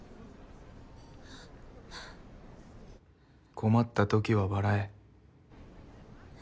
困ったときは笑え。